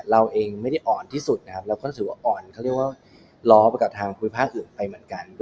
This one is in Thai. เราเองไม่ได้อ่อนที่สุดนะครับเราก็รู้สึกว่าอ่อนเขาเรียกว่าล้อไปกับทางภูมิภาคอื่นไปเหมือนกัน